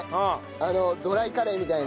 あのドライカレーみたいな。